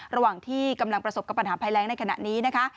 ระหว่างที่กำลังประสบกับปัญหาภัยแรงในขณะนี้นะคะ